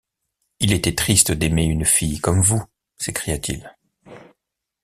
Il était triste d’aimer une fille comme vous, s’écria-t-il.